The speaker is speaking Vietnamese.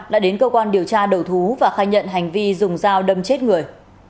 đã đến cơ quan điều tra đầu thú và khai nhận hành vi dùng dao đâm chết người